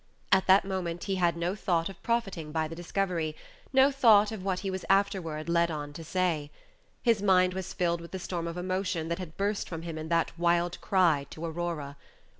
At that moment he had no thought of profiting by the discovery, no thought of what he was afterward led on to say. His mind was filled with the storm of emotion that had burst from him in that wild cry to Aurora.